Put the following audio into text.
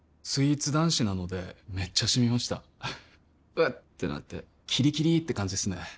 スイーツ男子なのでめっちゃシミました「うっ」ってなってキリキリって感じですね